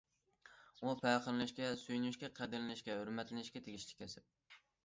ئۇ پەخىرلىنىشكە، سۆيۈنۈشكە، قەدىرلىنىشكە، ھۆرمەتلىنىشكە تېگىشلىك كەسىپ.